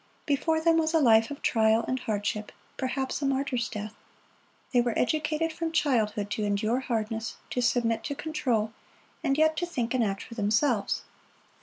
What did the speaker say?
Before them was a life of trial and hardship, perhaps a martyr's death. They were educated from childhood to endure hardness, to submit to control, and yet to think and act for themselves.